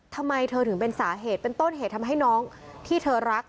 ทำไมเธอถึงเป็นต้นเหตุทำให้น้องที่เธอรัก